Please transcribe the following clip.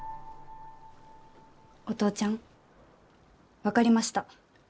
お父ちゃん分かりました。